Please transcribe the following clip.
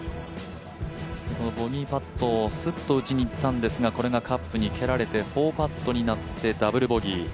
このボギーパットをすっと打ちにいったんですがこれがカップに蹴られて４パットになってダブルボギー。